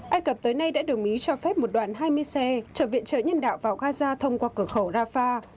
ai cập tới nay đã đồng ý cho phép một đoàn hai mươi xe trở viện trợ nhân đạo vào gaza thông qua cửa khẩu rafah